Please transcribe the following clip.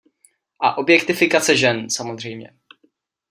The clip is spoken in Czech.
A objektifikace žen, samozřejmě.